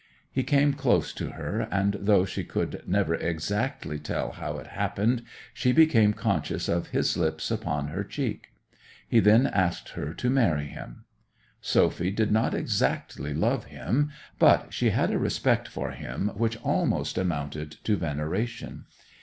He came close to her, and, though she could never exactly tell how it happened, she became conscious of his lips upon her cheek. He then asked her to marry him. Sophy did not exactly love him, but she had a respect for him which almost amounted to veneration.